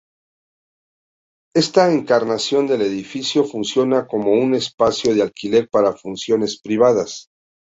Esta encarnación del edificio funciona como un espacio de alquiler para funciones privadas.